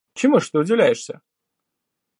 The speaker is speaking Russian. Чему ж ты удивляешься?